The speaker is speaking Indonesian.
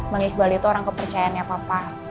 bang isbal itu orang kepercayaannya papa